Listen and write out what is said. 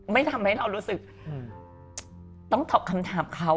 ไม่ทำให้เรารู้สึกต้องตอบคำถามเขา